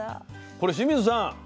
これ清水さん